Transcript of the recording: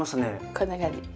こんな感じ。